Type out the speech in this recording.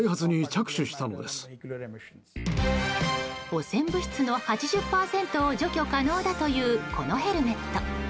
汚染物質の８０％を除去可能だというこのヘルメット。